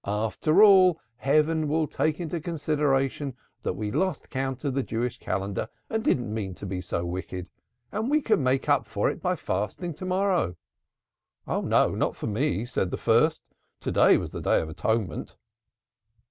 'After all, Heaven will take into consideration that we lost count of the Jewish calendar and didn't mean to be so wicked. And we can make up for it by fasting to morrow.' "'Oh, no! Not for me,' said the first. 'To day was the Day of Atonement.'"